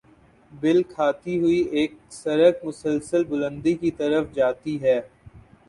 بل کھاتی ہوئی ایک سڑک مسلسل بلندی کی طرف جاتی ہے۔